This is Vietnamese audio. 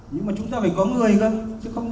nhưng mà chúng ta phải có người cân